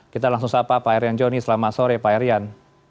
kita langsung sapa pak eryan joni selamat sore pak erian